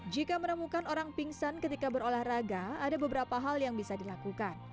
jika menemukan orang pingsan ketika berolahraga ada beberapa hal yang bisa dilakukan